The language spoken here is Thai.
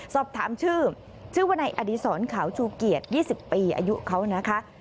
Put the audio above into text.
สอบถามชื่อชื่อว่าในอดีศรขาวชูเกียรติ๒๐ปีอายุเขานะคะ